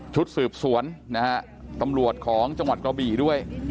ชุดสืบสวนนะฮะตำรวจของจังหวัดกระบี่ด้วย